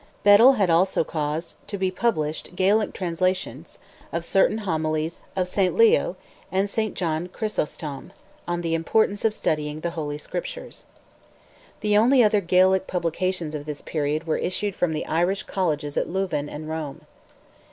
Bedell had also caused to be published Gaelic translations of certain homilies of Saint Leo and Saint John Chrysostom, on the importance of studying the holy Scriptures. The only other Gaelic publications of this period were issued from the Irish colleges at Louvain and Rome.